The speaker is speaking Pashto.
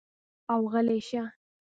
او غلے شۀ ـ